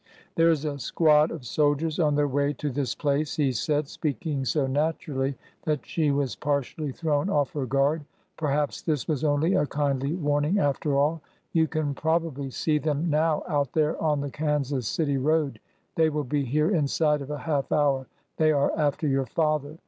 " There is a squad of soldiers on their way to this place," he said, speaking so naturally that she was par tially thrown off her guard. Perhaps this was only a kindly warning, after all. " You can probably see them now out there on the Kansas City road. They will be here inside o£ a half hour. They are after your father.